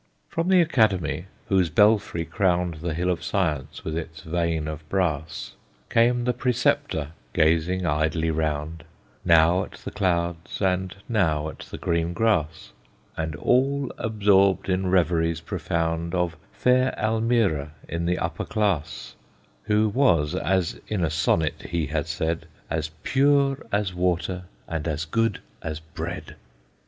From the Academy, whose belfry crowned The hill of Science with its vane of brass, Came the Preceptor, gazing idly round, Now at the clouds, and now at the green grass, And all absorbed in reveries profound Of fair Almira in the upper class, Who was, as in a sonnet he had said, As pure as water, and as good as bread.